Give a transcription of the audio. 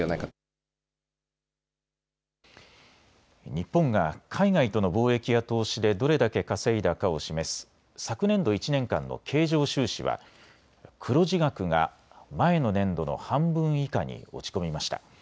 日本が海外との貿易や投資でどれだけ稼いだかを示す昨年度１年間の経常収支は黒字額が前の年度の半分以下に落ち込みました。